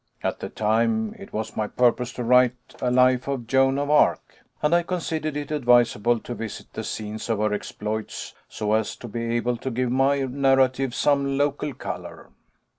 At the time it was my purpose to write a life of Joan of Arc, and I considered it advisable to visit the scenes of her exploits, so as to be able to give to my narrative some local colour.